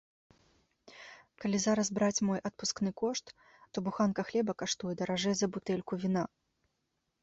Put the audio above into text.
Калі зараз браць мой адпускны кошт, то буханка хлеба каштуе даражэй за бутэльку віна.